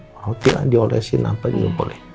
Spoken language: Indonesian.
mau tidak diolesin apa juga boleh